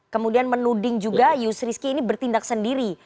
kemudian menuding juga yusrisky ini bertindak sendiri